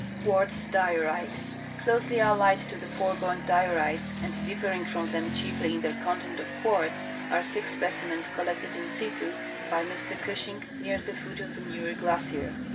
Quartx diorite. — Closely allied to the foregoing diorites and differing from them chiefly in their content of quartz, are six specimens collected in situ by "Mr Gushing near the foot of the Muir glacier.